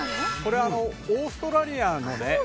これあのオーストラリアのね